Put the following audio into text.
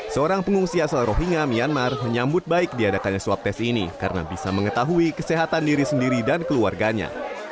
seorang pengungsi asal rohingya myanmar menyambut baik diadakannya swab tes ini karena bisa mengetahui kesehatan diri sendiri dan keluarganya